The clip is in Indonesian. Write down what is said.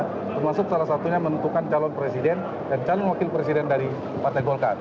termasuk salah satunya menentukan calon presiden dan calon wakil presiden dari partai golkar